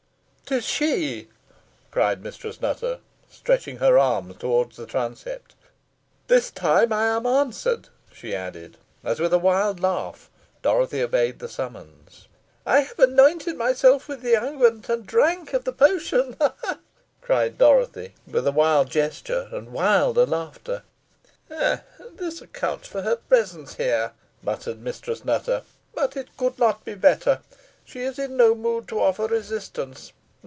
"'Tis she!" cried Mistress Nutter, stretching her arm towards the transept. "This time I am answered," she added, as with a wild laugh Dorothy obeyed the summons. "I have anointed myself with the unguent, and drank of the potion, ha! ha! ha!" cried Dorothy, with a wild gesture, and wilder laughter. "Ha! this accounts for her presence here," muttered Mistress Nutter. "But it could not be better. She is in no mood to offer resistance.